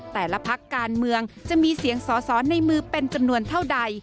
แต่ละพักการเมืองจะมีเสียงสอสอในมือเป็นจำนวนเท่าใด